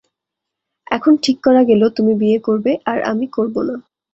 এখন ঠিক করা গেল তুমি বিয়ে করবে আর আমি করব না।